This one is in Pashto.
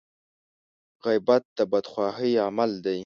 غيبت د بدخواهي عمل دی.